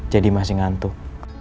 jadi masih ngantuk